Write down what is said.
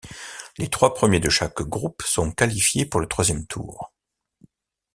Les trois premiers de chaque groupe sont qualifiés pour le troisième tour.